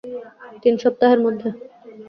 তিন সপ্তাহের মধ্যে।